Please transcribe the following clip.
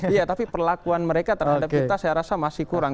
iya tapi perlakuan mereka terhadap kita saya rasa masih kurang